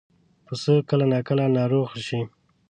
پسه کله ناکله ناروغه شي.